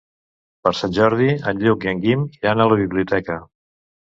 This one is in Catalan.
Per Sant Jordi en Lluc i en Guim iran a la biblioteca.